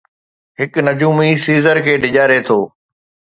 هڪ نجومي سيزر کي ڊيڄاري ٿو.